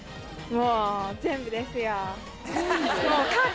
もう全部ですよー。